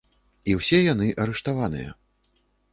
І ўсе яны арыштаваныя.